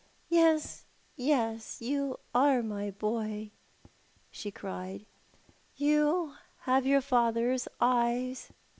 " Yes, yes, you are my boy," she cried. " You have your father's eyes.